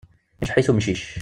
Imceḥ-it umcic.